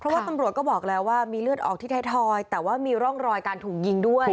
เพราะว่าตำรวจก็บอกแล้วว่ามีเลือดออกที่ไทยทอยแต่ว่ามีร่องรอยการถูกยิงด้วย